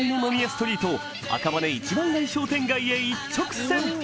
ストリート赤羽一番街商店街へ一直線！